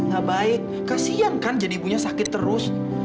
gak baik kasian kan jadi ibunya sakit terus